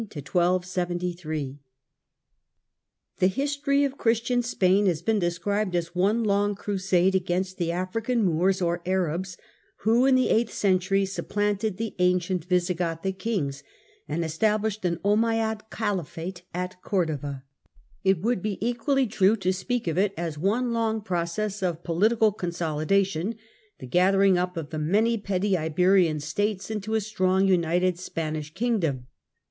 CHAPTEE XVII SPAIN AND PORTUGAL THE history of Christian Spain has been described as one long crusade against the African Moors or Arabs who, in the eighth century, supplanted the ancient Visigothic kings, and established an Onimeyad caliphate at Cordova. It would be equally true to speak of it as one long process of political consolidation, the gathering up of the many petty Iberian States into a strong united Spanish kingdom.